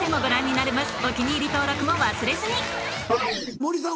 森さん